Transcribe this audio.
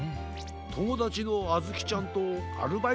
ともだちのあずきちゃんとアルバイトへいってるんです。